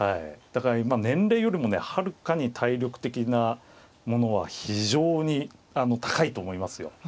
だから今年齢よりもねはるかに体力的なものは非常に高いと思いますよ。